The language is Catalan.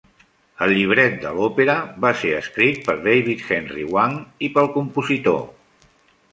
El llibret de l'òpera va ser escrit per David Henry Hwang i pel compositor.